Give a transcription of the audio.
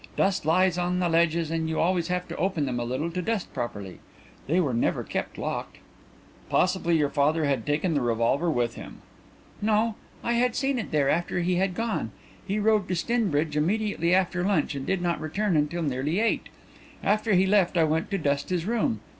Dust lies on the ledges and you always have to open them a little to dust properly. They were never kept locked." "Possibly your father had taken the revolver with him." "No. I had seen it there after he had gone. He rode to Stinbridge immediately after lunch and did not return until nearly eight. After he left I went to dust his room.